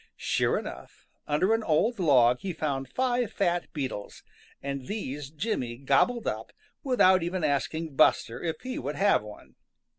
Sure enough, under an old log he found five fat beetles, and these Jimmy gobbled up without even asking Buster if he would have one.